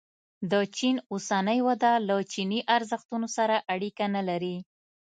د چین اوسنۍ وده له چیني ارزښتونو سره اړیکه نه لري.